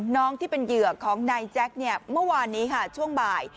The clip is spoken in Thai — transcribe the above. น้องที่เป็นเหยื่อของนายแจ๊คเนี่ยเมื่อวานนี้ค่ะช่วงบ่าย